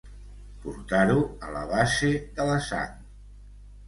Portar-ho a la base de la sang.